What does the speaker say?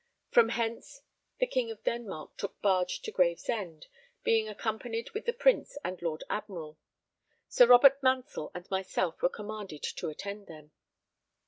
From hence the King of Denmark took barge to Gravesend, being accompanied with the Prince and Lord Admiral; Sir Robert Mansell and myself were commanded to attend them.